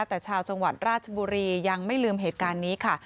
แต่ชาวจังหวัดราชบุรียังไม่ลืมเหตุการณ์นี้ค่ะ